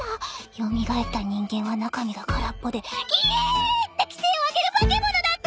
蘇った人間は中身が空っぽで「キエーッ！」って奇声を上げる化け物だったさ！